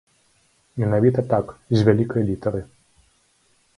Менавіта так, з вялікай літары.